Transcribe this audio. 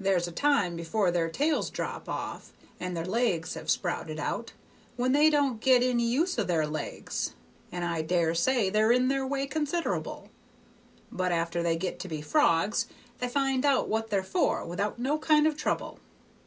There's a time before their tails drop off and their legs have sprouted out, when they don't get any use o' their legs, and I dare say they're in their way consider'ble; but after they get to be frogs they find out what they're for without no kind of trouble.